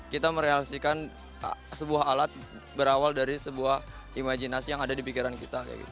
kita merealisasikan sebuah alat berawal dari sebuah imajinasi yang ada di pikiran kita